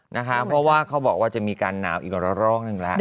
เพราะว่าเขาบอกว่าจะมีการหนาวอีกกว่าละรอกหนึ่งแล้ว